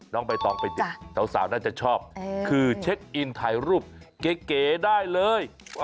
น้องใบตองไปดิสาวน่าจะชอบคือเช็คอินถ่ายรูปเก๋ได้เลย